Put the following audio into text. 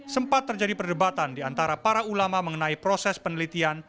sempat terjadi perdebatan diantara para ulama mengenai proses penelitian